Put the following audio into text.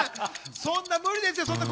そんなの無理ですよ。